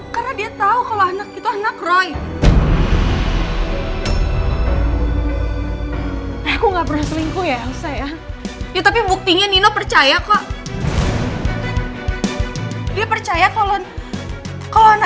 karena dia tahu kalau anak itu anak roy